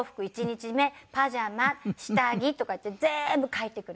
１日目パジャマ下着とかいって全部書いてくれて。